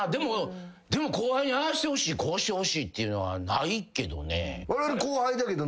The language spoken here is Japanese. でも後輩にああしてほしいこうしてほしいっていうのはないけどね。